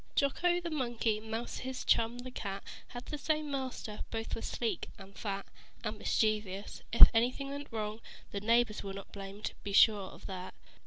Jocko the Monkey, Mouser his chum, the Cat, Had the same master. Both were sleek and fat, And mischievous. If anything went wrong, The neighbors where not blamed. Be sure of that.